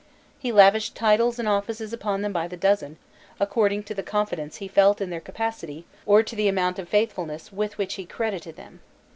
He lavished titles and offices upon them by the dozen, according to the confidence he felt in their capacity or to the amount of faithfulness with which he credited them.